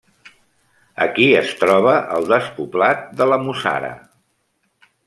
Aquí es troba el despoblat de la Mussara.